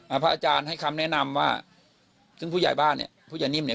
พระอาจารย์ให้คำแนะนำว่าซึ่งผู้ใหญ่บ้านเนี่ยผู้ใหญ่นิ่มเนี้ย